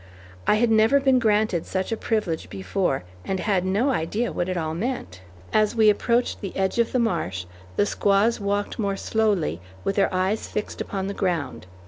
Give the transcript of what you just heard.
I had never been granted such a privilege before, and had no idea what it all meant. As we approached the edge of the marsh, the squaws walked more slowly, with their eyes fixed upon the ground.